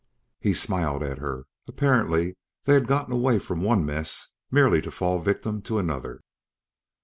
He smiled at her. Apparently they had gotten away from one mess merely to fall victim to another.